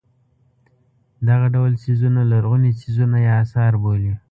دغه ډول څیزونه لرغوني څیزونه یا اثار بولي.